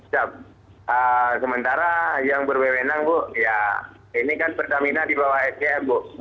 siap sementara yang berwenang bu ya ini kan pertamina di bawah sdm bu